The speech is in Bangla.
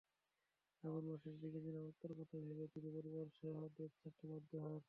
শ্রাবণ মাসের দিকে নিরাপত্তার কথা ভেবে তিনি পরিবারসহ দেশ ছাড়তে বাধ্য হন।